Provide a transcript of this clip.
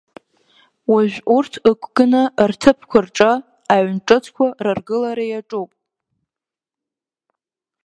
Уажә, урҭ ықәганы, рҭыԥқәа рҿы, аҩн ҿыцқәа рыргылара иаҿуп.